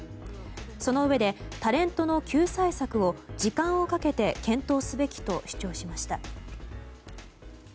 そのうえで、タレントの救済策を時間をかけて検討すべきと主張しました。